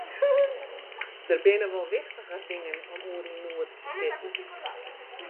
Der binne wol wichtiger dingen om oer yn noed te sitten.